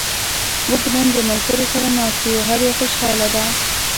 موږ نن د ملګرو سره ناست یو. هر یو خوشحاله دا.